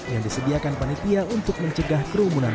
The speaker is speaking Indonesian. yang disediakan panitia untuk mencegah kondisi ikan